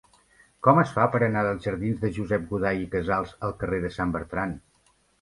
Com es fa per anar dels jardins de Josep Goday i Casals al carrer de Sant Bertran?